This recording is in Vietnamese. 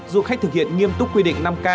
du khách thực hiện nghiêm túc quy định năm k